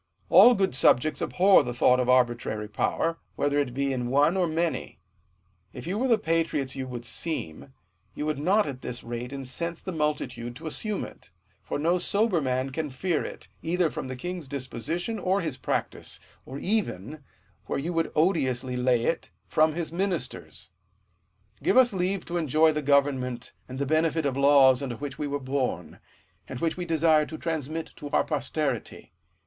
All good subjects abhor the thought of arbitrary power, whether it be in one or many : if you were the patriots you would seem, you would not at this rate incense the multitude to assume it ; for no sober man can fear it, either from the king's disposition or bis practice ; or even, where you Mould odiously lay it, from his ministers. Give us leave to enjoy the government and the benefit of laws under which we were born, and which we desire to transmit to our posterity.